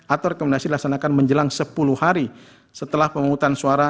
atau rekomendasi dilaksanakan menjelang sepuluh hari setelah pemungutan suara